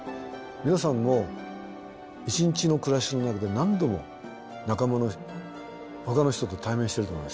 皆さんも一日の暮らしの中で何度も仲間のほかの人と対面してると思いますよ。